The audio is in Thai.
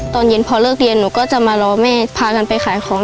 ตอนเย็นพอเลิกเรียนหนูก็จะมารอแม่พากันไปขายของ